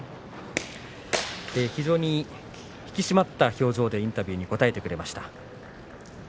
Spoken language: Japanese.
非常に引き締まった表情でインタビューに答えてくれました。